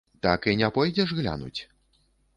Так і не пойдзеш глянуць?